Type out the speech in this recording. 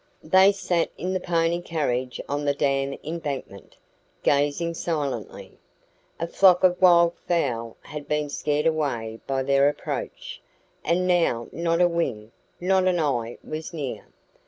They sat in the pony carriage on the dam embankment, gazing silently. A flock of wildfowl had been scared away by their approach, and now not a wing, not an eye was near.